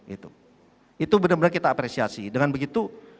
itu benar benar kita apresiasi dengan begitu